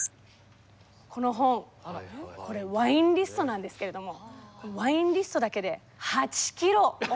この本これワインリストなんですけれどもワインリストだけで８ｋｇ重さがございます。